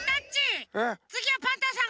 つぎはパンタンさんがおにね。